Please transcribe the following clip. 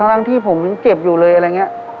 ทั้งที่ผมยังเจ็บอยู่เลยอะไรอย่างนี้